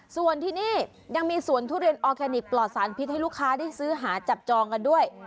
ส่วนที่นี่ยังมีสวนทุเรียนออร์แกนิคปลอดสารพิษให้ลูกค้าได้ซื้อหาจับจองกันด้วย